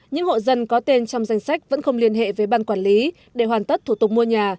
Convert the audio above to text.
những hộ dân có tên trong danh sách vẫn không liên hệ với ban quản lý để hoàn tất thủ tục mua nhà